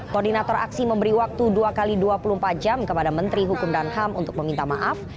koordinator aksi memberi waktu dua x dua puluh empat jam kepada menteri hukum dan ham untuk meminta maaf